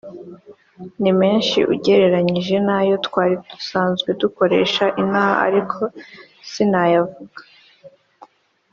ni menshi ugereranyije n’ayo twari dusanzwe dukoresha inaha ariko sinayavuga